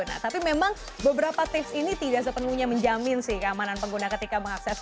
nah tapi memang beberapa tips ini tidak sepenuhnya menjamin sih keamanan pengguna ketika mengakses